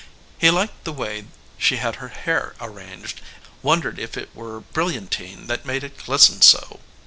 He liked the way she had her hair arranged, wondered if it was brilliantine that made it glisten so.